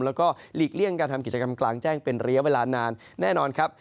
แล้วก็หลีกเลี่ยงการทำกิจกรรมกลางแจ้งเป็นระยะเวลานานแน่นอนครับ